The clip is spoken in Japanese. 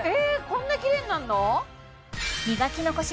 こんなきれいになるの？